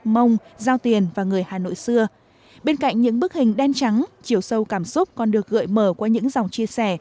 mông giao tiền và người hà nội xưa bên cạnh những bức hình đen trắng chiều sâu cảm xúc còn được gợi mở qua những dòng chia sẻ